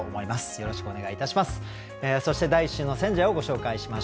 よろしくお願いします。